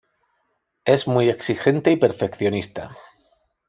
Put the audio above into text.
Es muy exigente y perfeccionista.